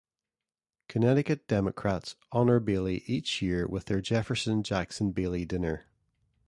Connecticut Democrats honor Bailey each year with their Jefferson-Jackson-Bailey Dinner.